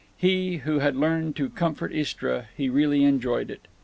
He—who had learned to comfort Istra—he really enjoyed it.